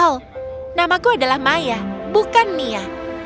oh namaku adalah maya bukan mia